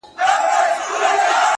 • کوم یو کار دی چي بادار ماته سپارلی ,